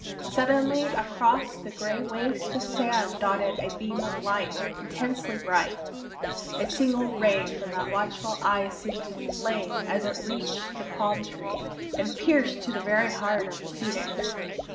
Suddenly across the gray waste of sand dotted a beam of light, intensely bright. A single ray from that watchful Eye seemed to flame as it reached the palm tree and pierced to the very heart of the Phoenix.